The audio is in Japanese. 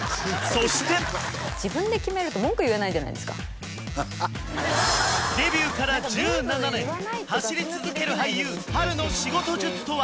そしてデビューから１７年走り続ける俳優波瑠の仕事術とは！？